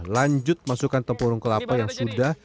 lanjut masukkan tempurung kelapa yang sudah